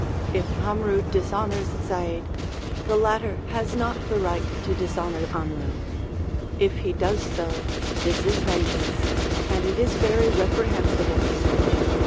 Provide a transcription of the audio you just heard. If 'Amru dishonours Zaid, the latter has not the right to dishonour 'Amru ; if he does so, this is vengeance, and it is very reprehensible.